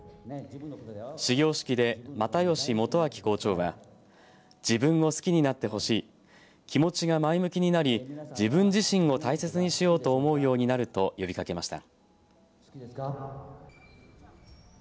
始業式で又吉元晃校長は自分を好きになってほしい気持ちが前向きになり自分自身を大切にしようと思うようになると呼びかけました。